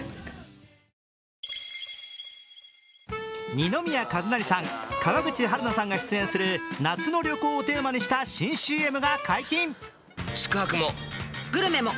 二宮和也さん、川口春奈さんが出演する夏の旅行をテーマにした新ＣＭが解禁。